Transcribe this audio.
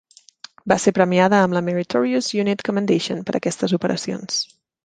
Va ser premiada amb la Meritorious Unit Commendation per aquestes operacions.